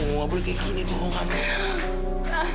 enggak boleh kayak gini dong amel